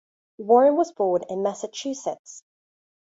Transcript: Warren was born in Massachusetts.